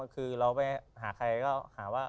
คือเราไปหาใครก็หาว่า